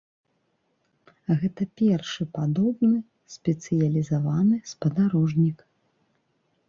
Гэта першы падобны спецыялізаваны спадарожнік.